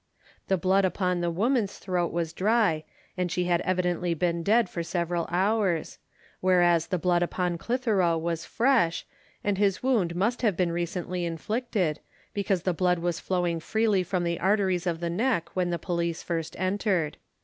The blood upon the woman's throat was dry, and she had evidently been dead for several hours; whereas the blood upon Clitheroe was fresh, and his wound must have been recently inflicted, because the blood was flowing freely from the arteries of the neck when the police first entered.